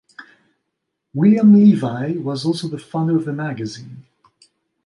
William Levy was also the founder of the magazine.